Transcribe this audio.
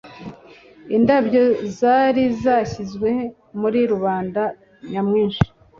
indabyo zari zashyizwe muri rubanda nyamwinshi